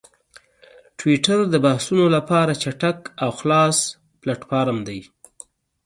ټویټر د بحثونو لپاره چټک او خلاص پلیټفارم دی.